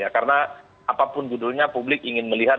karena apapun judulnya publik ingin melihat